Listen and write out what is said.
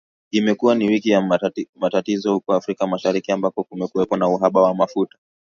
Imekuwa ni wiki ya matatizo huko Afrika Mashariki ambako kumekuwepo na uhaba wa mafuta